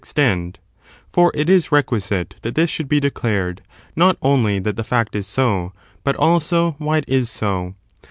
extendi for it is requisite that this should be declared — not only that the fact is so, but also why it is so.